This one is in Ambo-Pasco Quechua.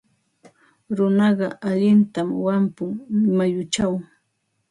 Runaqa allintam wampun mayuchaw.